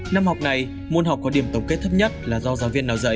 năm học này môn học có điểm tổng kết thấp nhất là do giáo viên nào dạy